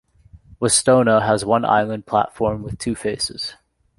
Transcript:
Westona has one island platform with two faces.